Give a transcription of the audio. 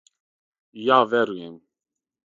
И ја верујем.